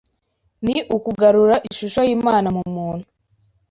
ni ukugarura ishusho y’Imana mu muntu